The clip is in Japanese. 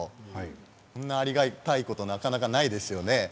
こんなありがたいことなかなかないですよね。